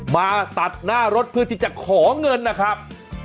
มาตัดหน้ารถเพื่อที่จะขอเงินนะครับ